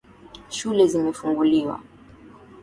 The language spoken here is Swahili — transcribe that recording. Shule zimefunguliwa